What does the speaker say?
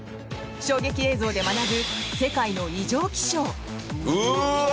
衝撃映像で学ぶ世界の異常気象！